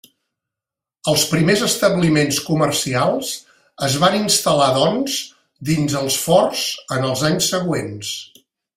Els primers establiments comercials es van instal·lar doncs dins els forts en els anys següents.